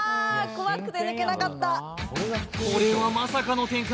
怖くて抜けなかったこれはまさかの展開